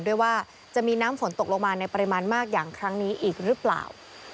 ด้วยว่าจะมีน้ำฝนตกลงมาในปริมาณมากอย่างครั้งนี้อีกหรือเปล่า